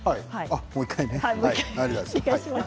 もう１回ね。